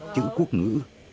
chữ quốc ngữ